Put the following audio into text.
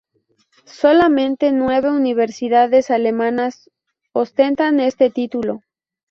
Solamente nueve universidades alemanas ostentan este título.